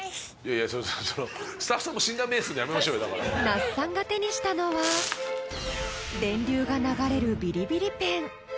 ［那須さんが手にしたのは電流が流れるビリビリペン］